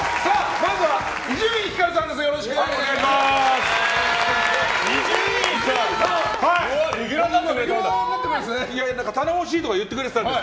まずは、伊集院光さんです